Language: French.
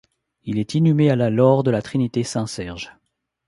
Il est inhumé à la laure de la Trinité Saint-Serge.